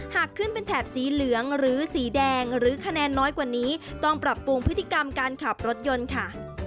หากขึ้นเป็นแถบสีเหลืองหรือสีแดงหรือคะแนนน้อยกว่านี้ต้องปรับปรุงพฤติกรรมการขับรถยนต์ค่ะ